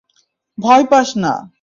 ভয় পাস না!